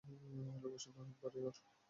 এই লোকেশনে অনেক বাড়ি, স্যার।